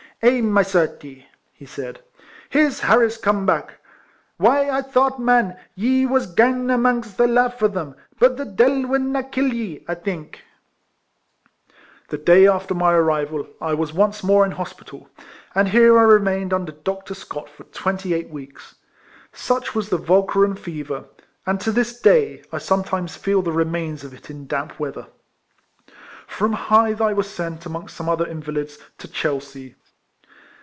" Eh, my certie," he said, " here's Harris come back. Why I thought, man, ye was gane amangst the lave o' them, but the deil will na kill ye, I think !" The day after my arrival I was once more in hospital, and here I remained under Dr. Scott for twenty eight weeks. Such was RIFLEMAN HARRIS. 275 the Walcheren fever, and to this day I sometimes feel the remains of it in damp weather. From Hythe I was sent, amongst some other invalids, to Chelsea.